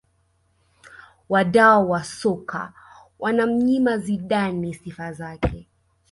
Wadau wa soka wanamnyima Zidane sifa zake